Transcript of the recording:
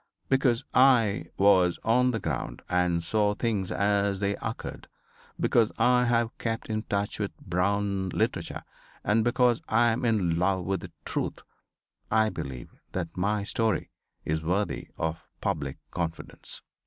Because I was on the ground and saw things as they occurred; because I have kept in touch with Brown literature; and because I am in love with the Truth I believe that my story is worthy of public confidence.